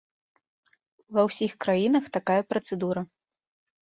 Ва ўсіх краінах такая працэдура.